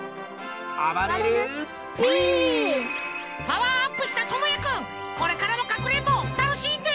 パワーアップしたともやくんこれからもかくれんぼたのしんで！